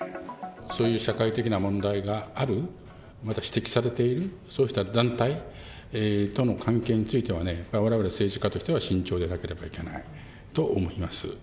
そういう社会的な問題がある、また指摘されているそうした団体との関係についてはね、やっぱりわれわれ政治家としては慎重でなければいけないと思います。